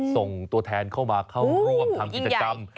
ส่งตัวแทนเข้ามาเข้าร่วมทำกิจกรรม